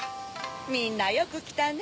みんなよくきたね。